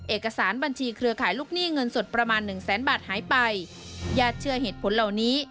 เอกสารบัญชีเครือข่ายลูกหนี้เงินสดประมาณหนึ่งแสนบาทหายไปญาติเชื่อเหตุผลเหล่านี้